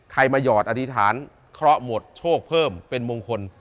ใครมาหยอดอธิษฐานเคราะห์หมดโชคเพิ่มเป็นมงคล